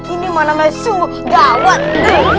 ini mana mah sungguh gawat nih